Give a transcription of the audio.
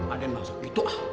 ah den maksud gitu ah